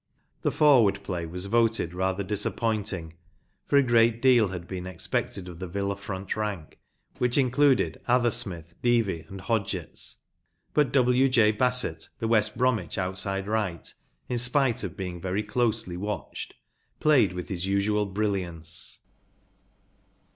The forward play was voted rather disappointing, for a great deal had been expected of the Villa front rank, which included Athersniith, Devey, and Hodgetts. But U\ ]. Bassett, the West Bromwich outside right, in spite of being very closely watched, played with his usual brilliance.